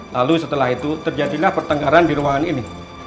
lalu setelah itu terjadilah pertengkaran di ruangan ini